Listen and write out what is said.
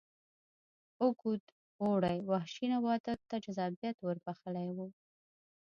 اوږد اوړي وحشي نباتاتو ته جذابیت ور بخښلی و.